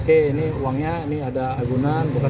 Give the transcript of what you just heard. ini uangnya ada agunan